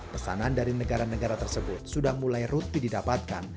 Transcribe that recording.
pesanan dari negara negara tersebut sudah mulai rutin didapatkan